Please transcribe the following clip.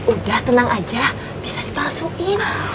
udah tenang aja bisa dipalsuin